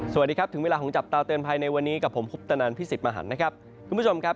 สวัสดีครับถึงเวลาของจับตาเตือนไพรในวันนี้กับผมคุณผู้ชมครับ